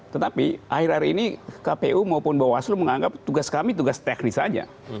tetapi akhir akhir ini kpu maupun bawaslu menganggap tugas kami tugas teknis saja